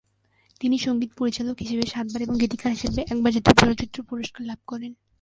তিনি সঙ্গীত পরিচালক হিসেবে সাতবার এবং গীতিকার হিসেবে একবার জাতীয় চলচ্চিত্র পুরস্কার লাভ করেন।